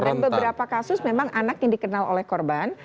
dan beberapa kasus memang anak yang dikenal oleh korban